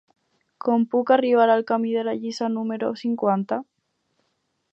Com puc arribar al camí de la Lliça número cinquanta?